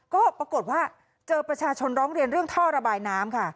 ก็ปรากฏว่าเจอประชาชนร้องเรียนเรื่องท่อระบายน้ำค่ะ